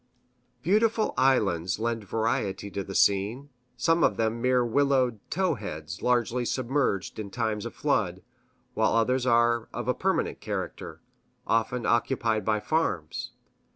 Beautiful islands lend variety to the scene, some of them mere willowed "tow heads" largely submerged in times of flood, while others are of a permanent character, often occupied by farms.